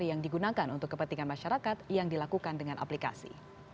yang digunakan untuk kepentingan masyarakat yang dilakukan dengan aplikasi